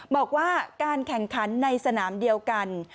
บอกว่าการแข่งขันในสนามเดียวกัน